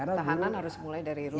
tahanan harus mulai dari rumah